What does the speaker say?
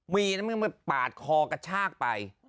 มีมาปาดคอกระชากไป